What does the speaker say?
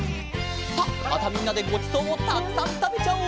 さあまたみんなでごちそうをたくさんたべちゃおう！